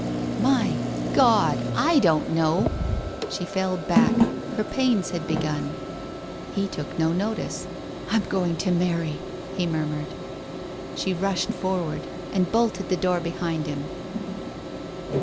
"My God, /don't know." She fell back. Her pains had begun. He took no notice. "I'm going to Mary," he murmured. She rushed forward, and bolted the door behind him.